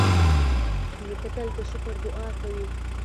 نیکه تل د شکر دعا کوي.